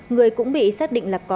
người cũng bị xác định là có